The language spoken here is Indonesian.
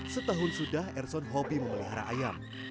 setahun sudah erson hobi memelihara ayam